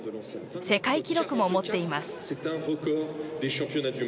世界記録も持っています。